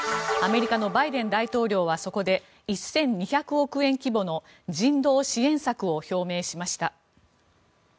アメリカのバイデン大統領はそこで１２００億円規模の人道支援策を表明しました。